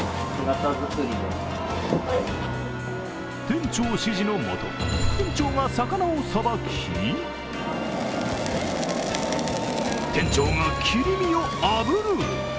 店長指示のもと、副店長が魚をさばき、店長が切り身をあぶる。